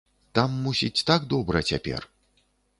Там, мусіць, так добра цяпер!